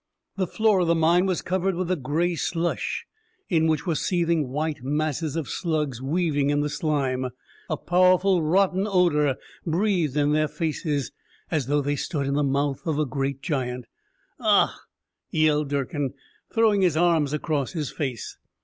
The floor of the mine was covered with a grey slush, in which were seething white masses of slugs weaving in the slime. A powerful, rotten odor breathed in their faces, as though they stood in the mouth of a great giant. "Ah!" yelled Durkin, throwing his arms across his face.